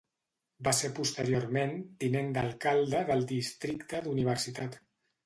Va ser posteriorment tinent d'alcalde del districte d'Universitat.